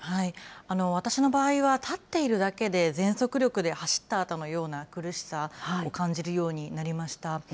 私の場合は立っているだけで、全速力で走ったあとのような苦しさを感じるようになりました。